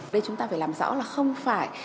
đây chúng ta phải làm rõ là không phải